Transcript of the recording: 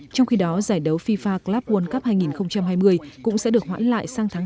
trong khi đó giải đấu fifa club world cup hai nghìn hai mươi cũng sẽ được hoãn lại sang tháng bốn